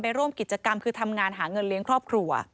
ร่วมกิจกรรมคือทำงานหาเงินเลี้ยงครอบครัว